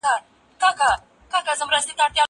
زه پرون تمرين کوم!؟